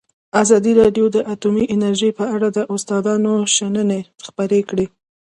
ازادي راډیو د اټومي انرژي په اړه د استادانو شننې خپرې کړي.